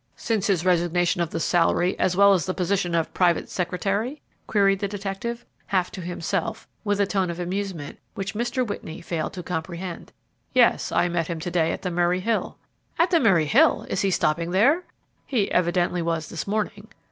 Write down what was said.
"Since his resignation of the salary as well as the position of private 'secretary?" queried the detective, half to himself, with a tone of amusement, which Mr. Whitney failed to comprehend. "Yes; I met him to day at the Murray Hill." "At the Murray Hill! Is he stopping there?" "He evidently was this morning.